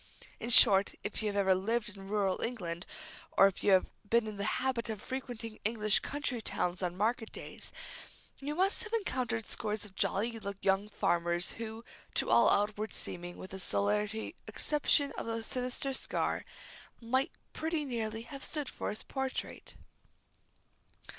In short, if you have ever lived in rural England, or if you have been in the habit of frequenting English country towns on market days, you must have encountered scores of jolly young farmers who, to all outward seeming, with the solitary exception of the sinister scar, might pretty nearly have stood for his portrait.